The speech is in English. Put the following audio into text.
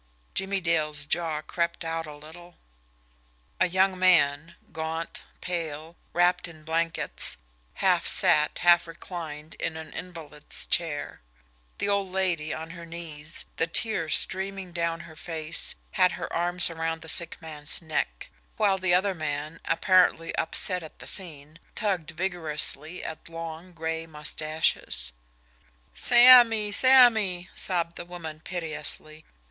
Jimmie Dale's jaw crept out a little. A young man, gaunt, pale, wrapped in blankets, half sat, half reclined in an invalid's chair; the old lady, on her knees, the tears streaming down her face, had her arms around the sick man's neck; while the other man, apparently upset at the scene, tugged vigorously at long, gray mustaches. "Sammy! Sammy!" sobbed the woman piteously.